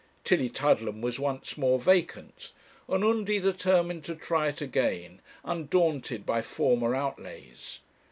Tillietudlem was once more vacant, and Undy determined to try it again, undaunted by former outlays.